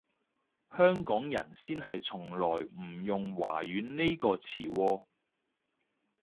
香港人先係從來唔用華語呢個詞喎